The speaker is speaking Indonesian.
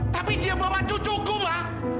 tapi dia bawa cucuku mbak